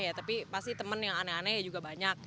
ya tapi pasti temen yang aneh aneh juga banyak